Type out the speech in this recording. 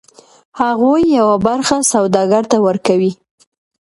هغوی یوه برخه سوداګر ته ورکوي